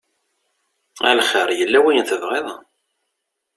A lxir yella wayen tebɣiḍ?